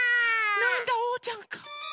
なんだおうちゃんか。